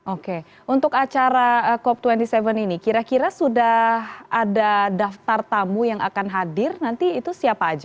oke untuk acara cop dua puluh tujuh ini kira kira sudah ada daftar tamu yang akan hadir nanti itu siapa aja